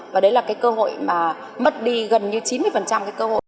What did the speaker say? và đấy là cái cơ hội mà mất đi gần như chín mươi cái cơ hội